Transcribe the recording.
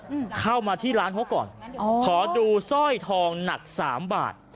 อืมเข้ามาที่ร้านเขาก่อนอ๋อขอดูสร้อยทองหนักสามบาท